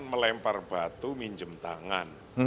melempar batu minjem tangan